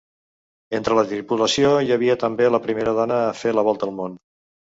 Entre la tripulació hi havia també la primera dona a fer la volta al món.